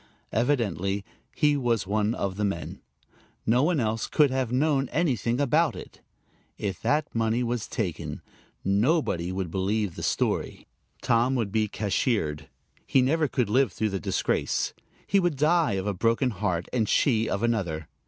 Evidently he was one of the men. No one else could have known anything about it. If that money was taken, nobody would believe the story; Tom would be cashiered; he never could live through the disgrace; he would die of a broken heart, and she of another.